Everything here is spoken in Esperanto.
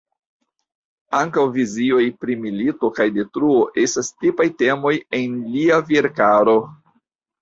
Ankaŭ vizioj pri milito kaj detruo estas tipaj temoj en lia verkaro.